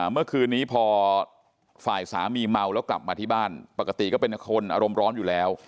เมื่อคืนนี้พอฝ่ายสามีเมาแล้วกลับมาที่บ้านปกติก็เป็นคนอารมณ์ร้อนอยู่แล้ว